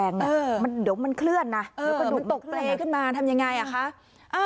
เดี๋ยวมันเคลื่อนนะมันตกเลขึ้นมาทำยังไงอะคะ